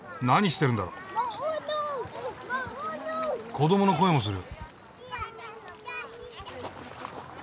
子どもの声もする。